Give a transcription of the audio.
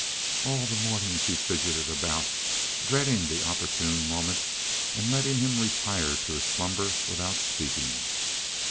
All the morning she fidgeted about, dreading the opportune moment and letting him retire to his slumber without speaking.